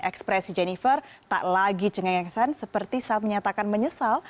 ekspresi jennifer tak lagi cengengsan seperti saat menyatakan menyesal